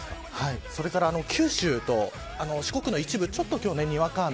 それから九州と四国の一部今日はちょっとにわか雨。